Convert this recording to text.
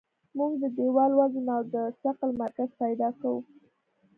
موږ د دیوال وزن او د ثقل مرکز پیدا کوو